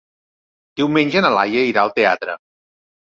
Diumenge na Laia irà al teatre.